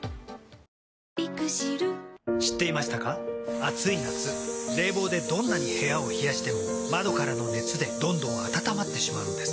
暑い夏冷房でどんなに部屋を冷やしても窓からの熱でどんどん暖まってしまうんです。